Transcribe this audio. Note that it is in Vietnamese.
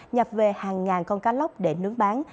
nhập về hàng ngàn con cá lóc để nướng bán